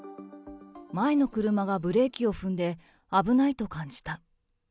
前の車がブレーキを踏んで、危ないと感じた。